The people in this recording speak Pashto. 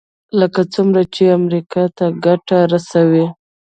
لکه څومره چې امریکا ته ګټه رسوي.